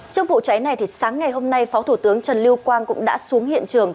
trước vụ cháy này sáng ngày hôm nay phó thủ tướng trần lưu quang cũng đã xuống hiện trường